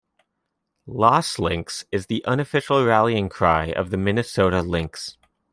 "LosLynx" is the unofficial rallying cry of the Minnesota Lynx.